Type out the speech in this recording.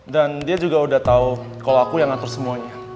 dan dia juga udah tau kalo aku yang atur semuanya